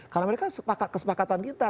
karena mereka kesepakatan kita